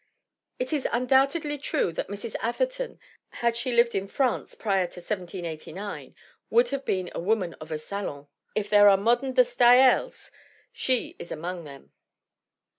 It is undoubtedly true that Mrs. Atherton, had she lived in France prior to 1789, would have been a woman of a salon. If there are modern de Staels she is among them